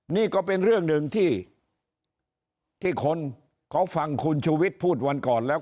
นี่ก็เป็นเรื่องหนึ่งที่คนเขาฟังคุณชูวิทย์พูดวันก่อนแล้ว